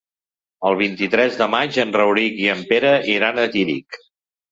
El vint-i-tres de maig en Rauric i en Pere iran a Tírig.